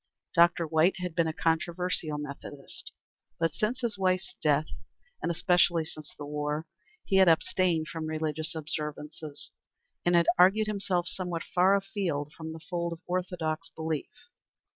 Dr. White had been a controversial Methodist, but since his wife's death, and especially since the war, he had abstained from religious observances, and had argued himself somewhat far afield from the fold of orthodox belief.